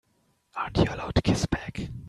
Aren't you allowed to kiss back?